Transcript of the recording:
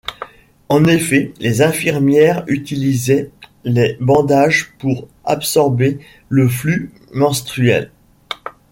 En effet, les infirmières utilisaient les bandages pour absorber le flux menstruel.